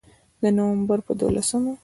د نومبر په دولسمه